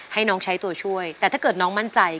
ให้น้องใช้ตัวช่วยแต่ถ้าเกิดน้องมั่นใจ